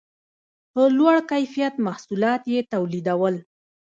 په لوړ کیفیت محصولات یې تولیدول.